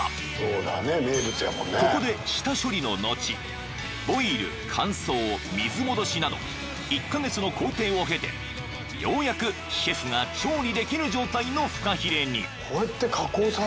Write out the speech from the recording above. ［ここで下処理の後ボイル乾燥水戻しなど１カ月の工程を経てようやくシェフが調理できる状態のフカヒレに］